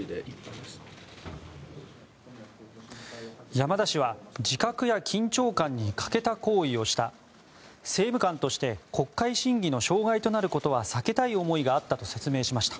山田氏は自覚や緊張感に欠けた行為をした政務官として国会審議の障害となることは避けたい思いがあったと説明しました。